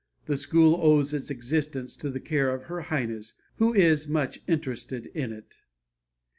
The school owes its existence to the care of Her Highness, who is much interested in it."